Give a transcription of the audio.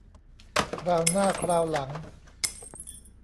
คราวหน้าคราวหลัง